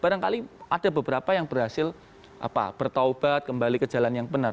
barangkali ada beberapa yang berhasil bertaubat kembali ke jalan yang benar